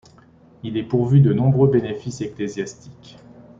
Il est pourvu de nombreux bénéfices ecclésiastiques.